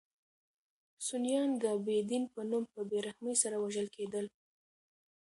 سنیان د بې دین په نوم په بې رحمۍ سره وژل کېدل.